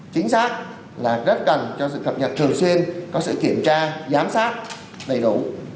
chính xác là rất cần cho sự cập nhật thường xuyên có sự kiểm tra giám sát đầy đủ